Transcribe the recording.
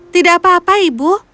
tidak apa apa ibu